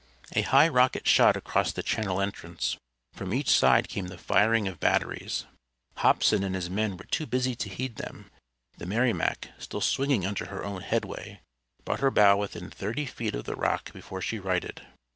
A high rocket shot across the channel entrance. From each side came the firing of batteries. Hobson and his men were too busy to heed them. The Merrimac, still swinging under her own headway, brought her bow within thirty feet of the rock before she righted.